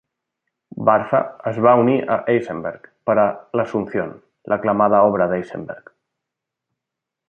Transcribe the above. Bartha es va unir a Eisenberg per a l'Asunción, l'aclamada obra d'Eisenberg.